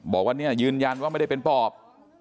บอกว่าเนี่ยยืนยันว่าไม่ได้เป็นปอบ